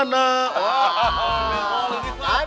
ternyata eh ternyata abah menggol kemana